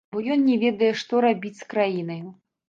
Бо ён не ведае, што рабіць з краінаю.